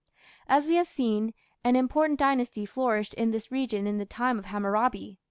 As we have seen, an important dynasty flourished in this region in the time of Hammurabi.